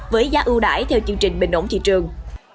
với giá ưu đải theo chương trình bình ổn thị trường